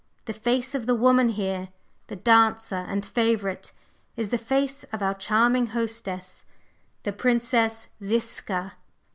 The face of the woman here the dancer and favorite is the face of our charming hostess, the Princess Ziska!"